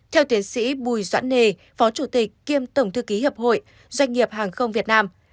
theo tiến sĩ bùi doãn nề phó chủ tịch kiêm tổng thư ký hiệp hội doanh nghiệp hàng không việt nam